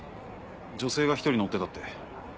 女性が１人乗ってたって。